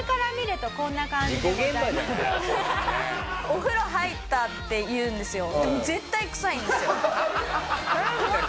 「お風呂入った」って言うんですよ。